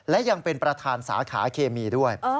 และยังเป็นประธานสาขาเคมีด้วย